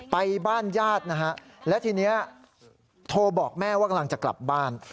ไปบ้านญาตินะฮะและทีนี้โทรบอกแม่ว่ากำลังจะกลับบ้าน